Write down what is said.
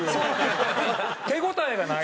手応えがない。